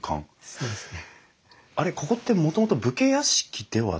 そうですね。